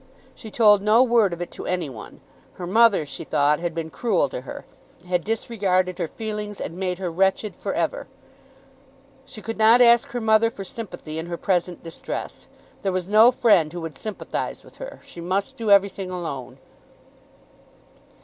She told no word of it to any one. Her mother, she thought, had been cruel to her, had disregarded her feelings, and made her wretched for ever. She could not ask her mother for sympathy in her present distress. There was no friend who would sympathise with her. She must do everything alone.